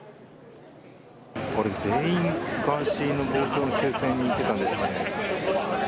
これ、全員、ガーシーの傍聴の抽せんに行ってたんですかね。